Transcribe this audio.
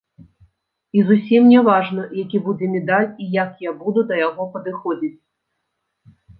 І зусім не важна, які будзе медаль і як я буду да яго падыходзіць.